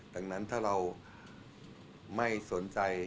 ดังนั้นถ้าเราไม่สนใจ